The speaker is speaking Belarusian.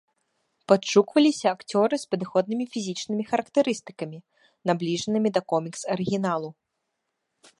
Падшукваліся акцёры з падыходнымі фізічнымі характарыстыкамі, набліжанымі да комікс-арыгіналу.